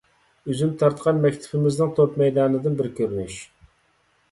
ئۆزۈم تارتقان مەكتىپىمىزنىڭ توپ مەيدانىدىن بىر كۆرۈنۈش.